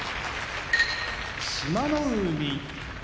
志摩ノ海